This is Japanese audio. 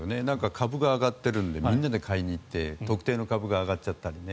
株が上がってるのでみんなで買いに行って特定の株が上がっちゃったりね。